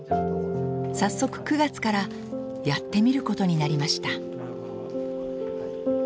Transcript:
早速９月からやってみることになりました。